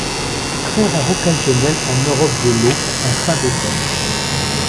Très rare occasionelle en Europe de l'O., en fin d'automne.